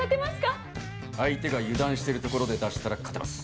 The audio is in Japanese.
相手が油断してるところで出したら勝てます。